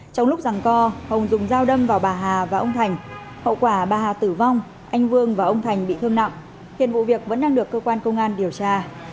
trong lúc rằng co hồng dùng dao đâm vào bà hà và ông thành hậu quả bà hà tử vong anh vương và ông thành bị thương nặng hiện vụ việc vẫn đang được cơ quan công an điều tra